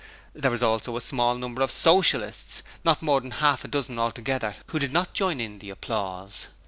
There was also a small number of Socialists not more than half a dozen altogether who did not join in the applause.